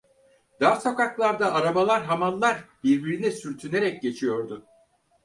Dar sokaklarda arabalar, hamallar birbirine sürtünerek geçiyordu.